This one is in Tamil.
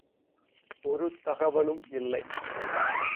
ஒரு தகவலும் இல்லை.